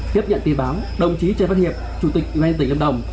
tiếp nhận tin báo đồng chí trần văn hiệp chủ tịch công an tỉnh lâm đồng